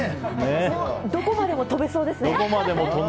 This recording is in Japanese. どこまでも飛べそうですね。